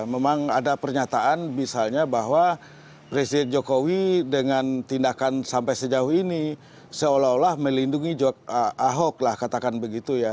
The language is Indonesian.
memang ada pernyataan misalnya bahwa presiden jokowi dengan tindakan sampai sejauh ini seolah olah melindungi ahok lah katakan begitu ya